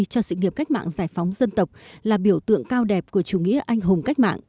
cho sự nghiệp cách mạng giải phóng dân tộc là biểu tượng cao đẹp của chủ nghĩa anh hùng cách mạng